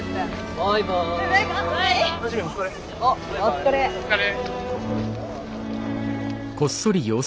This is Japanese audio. お疲れ。